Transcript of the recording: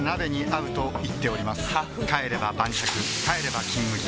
帰れば晩酌帰れば「金麦」